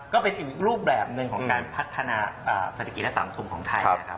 ก็เป็นอีกรูปแบบหนึ่งของการพัฒนาศาสตริกิและสังคมของไทย